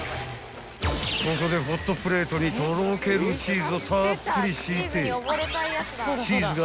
［ここでホットプレートにとろけるチーズをたっぷり敷いて］